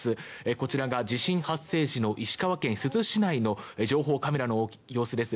こちらが地震発生時の石川県珠洲市内の情報カメラの様子です。